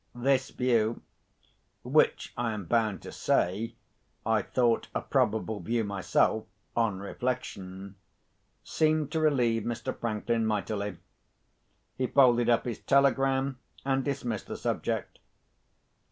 This view (which I am bound to say, I thought a probable view myself, on reflection) seemed to relieve Mr. Franklin mightily: he folded up his telegram, and dismissed the subject.